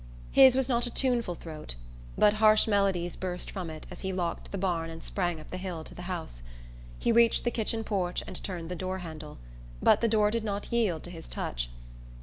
His was not a tuneful throat but harsh melodies burst from it as he locked the barn and sprang up the hill to the house. He reached the kitchen porch and turned the door handle; but the door did not yield to his touch.